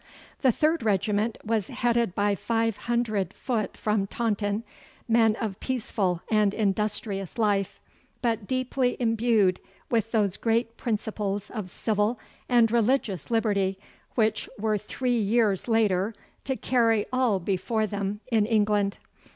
The third regiment was headed by five hundred foot from Taunton, men of peaceful and industrious life, but deeply imbued with those great principles of civil and religious liberty which were three years later to carry all before them in England.